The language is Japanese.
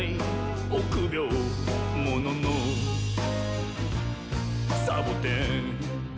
「おくびょうもののサボテン」